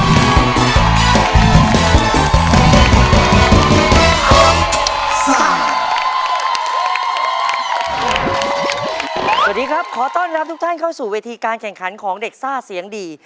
สวัสดีครับขอต้อนรับทุกท่านเข้าสู่เวทีการแข่งขันของเด็กซ่าเสียงดี